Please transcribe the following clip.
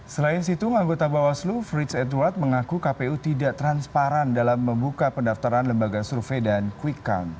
selain situng anggota bawaslu fritz edward mengaku kpu tidak transparan dalam membuka pendaftaran lembaga survei dan quick count